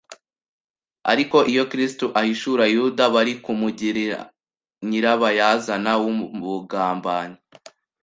Ariko iyo Kristo ahishura Yuda, bari kumugira nyirabayazana w'ubugambanyi.